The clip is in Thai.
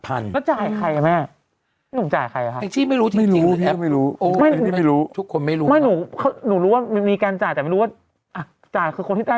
ไอ้แม่งั้นหนูจ่ายใครล่ะคะ